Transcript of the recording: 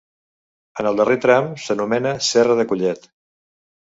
En el darrer tram s'anomena Serra de Collet.